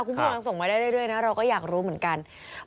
คุณผู้ชมยังส่งมาได้เรื่อยนะเราก็อยากรู้เหมือนกัน